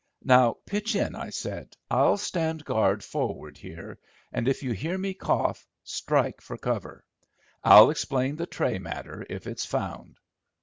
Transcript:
"Now, pitch in," I said. "I'll stand guard forward here, and, if you hear me cough, strike for cover. I'll explain the tray matter if it's found."